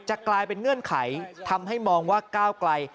จะกลายเป็นเงื่อนไขทำให้มองว่าก้าวไกล